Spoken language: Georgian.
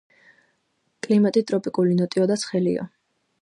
კლიმატი ტროპიკული, ნოტიო და ცხელია.